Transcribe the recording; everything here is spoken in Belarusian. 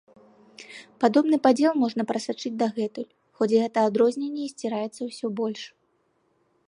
Падобны падзел можна прасачыць дагэтуль, хоць гэта адрозненне і сціраецца ўсё больш.